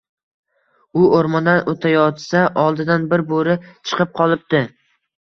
U oʻrmondan oʻtayotsa, oldidan bir Boʻri chiqib qolibdi